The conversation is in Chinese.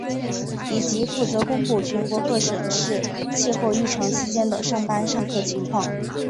以及负责公布全国各县市气候异常期间的上班上课情况。